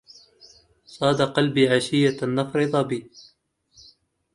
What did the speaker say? صاد قلبي عشية النفر ظبي